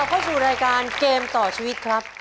เข้าสู่รายการเกมต่อชีวิตครับ